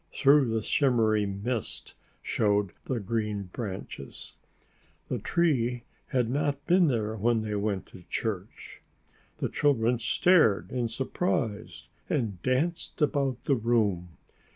Through the shimmery mist showed the green branches. The tree had not been there when they went to church! The children stared in surprise and danced about the room.